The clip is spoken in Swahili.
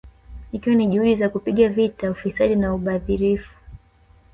Ikiwa ni juhudi za kupiga vita ufisadi na ubadhirifu